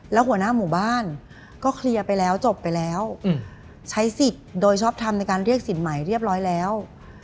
แล้วหัวหน้าหมู่บ้านก็เคลียร์ไปแล้วจบไปแล้วใช้สิทธิ์โดยชอบทำในการเรียกสินใหม่เรียบร้อยแล้ว